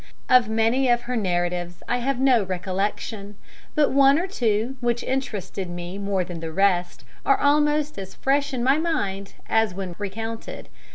Of many of her narratives I have no recollection, but one or two, which interested me more than the rest, are almost as fresh in my mind as when recounted.